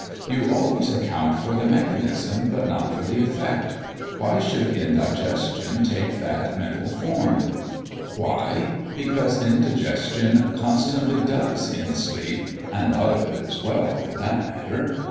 "You always account for the mechanism, but not for the effect. Why should indigestion take that mental form?" "Why, because indigestion constantly does in sleep, and out of it as well, for that matter.